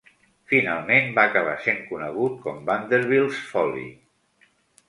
Finalment va acabar sent conegut com "Vanderbilt's Folly".